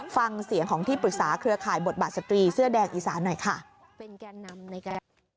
ฟังเสียงของที่ปรึกษาเครือข่ายบทบาทสตรีเสื้อแดงอีสานหน่อยค่ะ